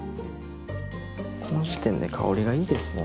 この時点で香りがいいですもう。